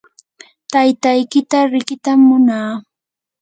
taytaykita riqitam munaa.